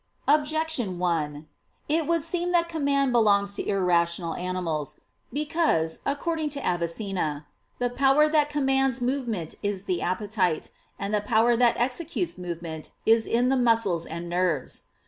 Objection 1: It would seem that command belongs to irrational animals. Because, according to Avicenna, "the power that commands movement is the appetite; and the power that executes movement is in the muscles and nerves."